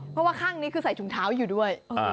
เพราะว่าข้างนี้คือใส่ถุงเท้าอยู่ด้วย